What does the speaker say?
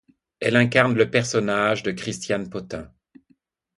Elle incarne le personnage de Christiane Potin.